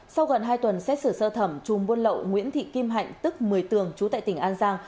sau gần hai tuần xét xử sơ thẩm chùm buôn lậu nguyễn thị kim hạnh tức một mươi tường chú tại tỉnh an giang